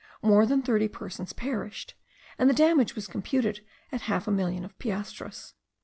More than thirty persons perished, and the damage was computed at half a million of piastres.